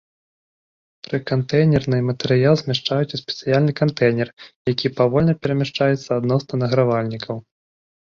Пры кантэйнернай матэрыял змяшчаюць у спецыяльны кантэйнер, які павольна перамяшчаецца адносна награвальнікаў.